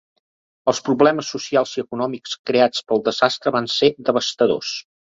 Els problemes socials i econòmics creats pel desastre van ser devastadors.